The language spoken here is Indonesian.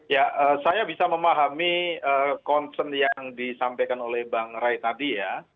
ya saya bisa memahami concern yang disampaikan oleh bang ray tadi ya